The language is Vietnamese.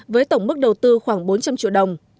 với tổng mức đầu tư khoảng bốn trăm linh triệu đồng